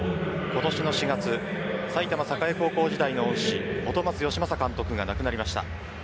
今年の４月埼玉栄高校時代の恩師が亡くなりました。